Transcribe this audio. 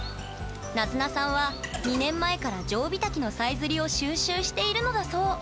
なづなさんは２年前からジョウビタキのさえずりを収集しているのだそう